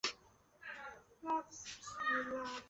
缺点为环道设计容易造成车流回堵。